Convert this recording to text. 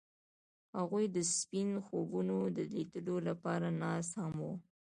هغوی د سپین خوبونو د لیدلو لپاره ناست هم وو.